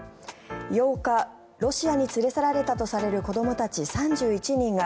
８日ロシアに連れ去られたとされる子どもたち３１人が